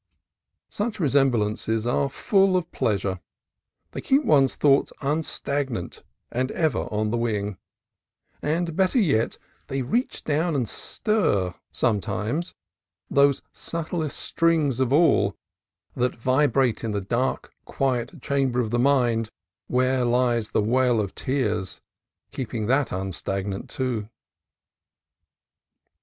Such resemblances are full of pleasure: they keep one's thoughts unstagnant and ever on the wing; and, better yet, they reach down and stir sometimes those subtlest strings of all, that vibrate in the dark, quiet chamber of the mind where lies the well of tears, keeping that unstagnant, too.